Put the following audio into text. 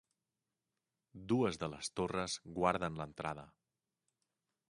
Dues de les torres guarden l'entrada.